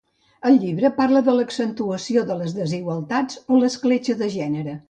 El llibre parla de l'accentuació de les desigualtats o l'escletxa de gènere.